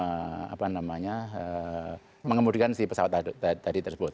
untuk apa namanya mengemudikan si pesawat tadi tersebut